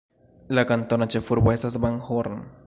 La kantona ĉefurbo estas Van Horn.